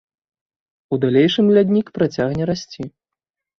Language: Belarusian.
У далейшым ляднік працягне расці.